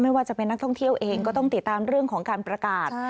ว่าจะเป็นนักท่องเที่ยวเองก็ต้องติดตามเรื่องของการประกาศ